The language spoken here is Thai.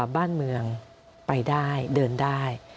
บ้านเมืองไปได้เดินได้